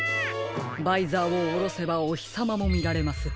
バイザーをおろせばおひさまもみられます。